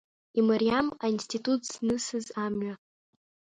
Имариам аинститут знысыз амҩа.